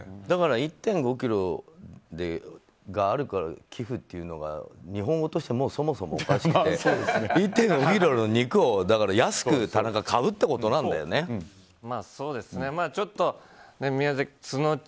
１．５ｋｇがあるから寄付っていうのが日本語としてそもそもおかしくて１．５ｋｇの肉を安く買うってことなんだよね田中。